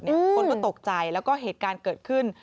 คนก็ตกใจแล้วก็เหตุการณ์เกิดขึ้น